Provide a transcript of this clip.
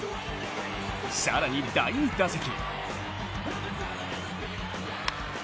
更に第２打席。